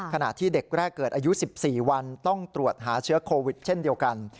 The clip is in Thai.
ขณะที่เด็กแรกเกิดอายุ๑๔วันต้องตรวจหาเชื้อโควิดเช่นเดียวกัน